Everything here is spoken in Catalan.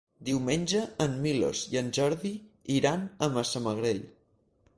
Diumenge en Milos i en Jordi iran a Massamagrell.